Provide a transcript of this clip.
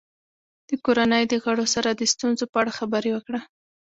د کورنۍ د غړو سره د ستونزو په اړه خبرې وکړه.